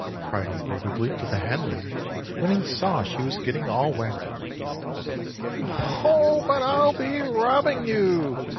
cried Uncle Wiggily to the hen lady when he saw she was getting all wet. "Oh, but I'll be robbing you!"